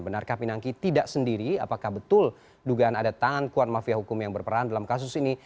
benarkah pinangki tidak sendiri apakah betul dugaan ada tangan kuat mafia hukum yang berperan dalam kasus ini